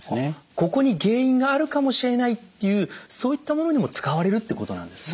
ここに原因があるかもしれないっていうそういったものにも使われるってことなんですね。